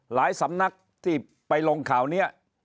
สำนักที่ไปลงข่าวนี้